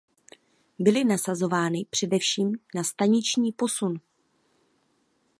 Byly nasazovány především na staniční posun.